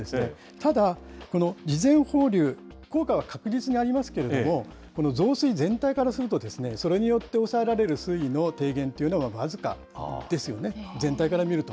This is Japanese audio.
ただ、この事前放流、効果は確実にありますけれども、増水全体からすると、それによって抑えられる水位の低減というのは僅かですよね、全体から見ると。